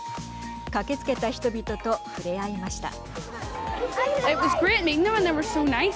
駆けつけた人々と触れ合いました。